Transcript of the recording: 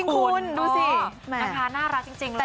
ภูมิธรรมค่ะน่ารักจริงเลย